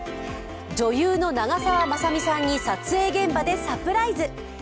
女優の長澤まさみさんに撮影現場でサプライズ。